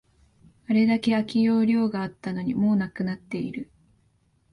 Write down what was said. あれだけ空き容量があったのに、もうなくなっている